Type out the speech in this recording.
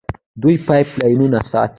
دوی پایپ لاینونه ساتي.